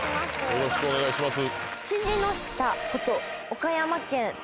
よろしくお願いします